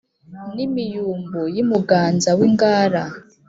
n'imiyumbu y'i muganza w'i ngara.